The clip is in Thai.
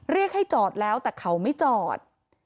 เรียกให้จอดแล้วแต่เขาไม่จอด